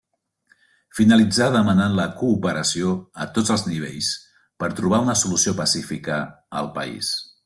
Finalitzà demanant la cooperació a tots els nivells per trobar una solució pacífica al país.